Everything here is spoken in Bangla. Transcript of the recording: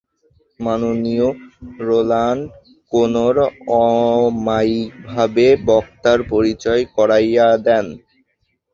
মাননীয় রোল্যাণ্ড কোনর অমায়িকভাবে বক্তার পরিচয় করাইয়া দেন।